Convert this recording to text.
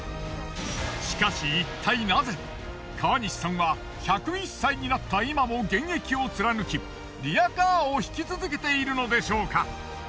しかしいったいナゼ川西さんは１０１歳になった今も現役を貫きリヤカーを引き続けているのでしょうか？